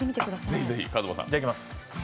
いただきます。